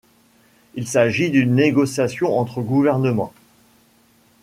Il s'agit d'une négociation entre gouvernements.